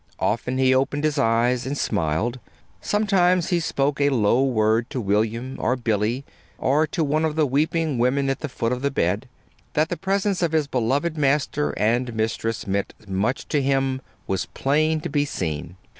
Often he opened his eyes and smiled. Sometimes he spoke a low word to William or Billy, or to one of the weeping women at the foot of the bed. That the presence of his beloved master and mistress meant much to him was plain to be seen.